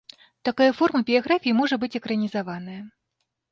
Такая форма біяграфіі можа быць экранізаваная.